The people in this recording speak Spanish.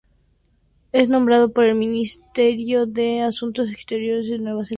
Es nombrado por el Ministerio de Asuntos Exteriores de Nueva Zelanda.